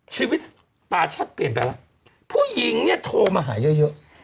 ชีวิตปาชัดเปลี่ยนไปแล้วผู้หญิงเนี่ยโทรมาหาเยอะเยอะ